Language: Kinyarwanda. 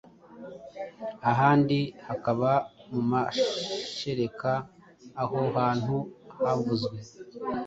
ahandi hakaba mu mashereka. Aho hantu havuzwe,